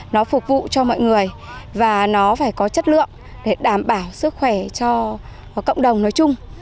nó phục vụ cho mọi người và nó phải có chất lượng để đảm bảo sức khỏe cho cộng đồng nói chung